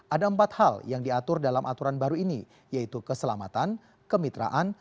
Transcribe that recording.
ada empat hal yang diatur dalam aturan baru ini yaitu keselamatan kemitraan